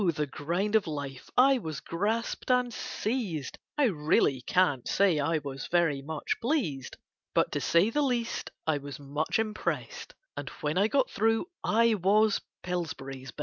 the grind of life I was grasped and seized, I really can't say I was very much pleased; But to say the least, I was much impressed, And when I got through I was Pillsbury's Best.